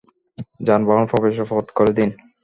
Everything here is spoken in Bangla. যানবাহন প্রবেশের পথ করে দিন।